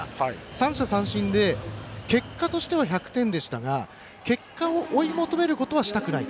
三者三振で結果としては１００点でしたが結果を追い求めることはしたくない。